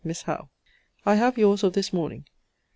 MISS HOWE, I have your's of this morning.